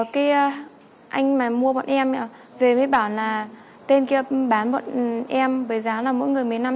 cái anh mà mua bọn em ý ạ về mới bảo là tên kia bán bọn em với giá là mỗi người mấy năm